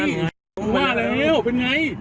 ทุกคนมาแล้วเป็นไง